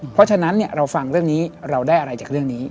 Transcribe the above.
เพราะฉะนั้นเราฟังเรื่องนี้เราได้อะไรจากเรื่องนี้